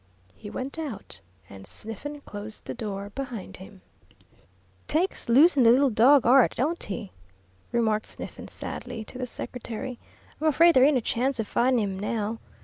He went out, and Sniffen closed the door behind him. "Takes losin' the little dog 'ard, don't he?" remarked Sniffen, sadly, to the secretary. "I'm afraid there ain't a chance of findin' 'im now.